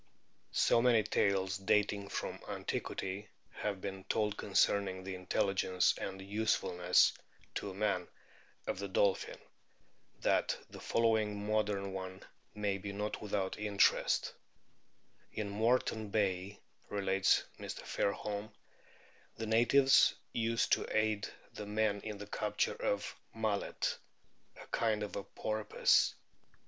So many tales dating from antiquity have been told concerning the intelligence and usefulness to man of the dolphin, that the following modern one may be not without interest : "In Moreton Bay," relates Mr. Fairholm,* "the natives use to aid the men in the capture of ' Mullet,' a kind of ' Porpoise.'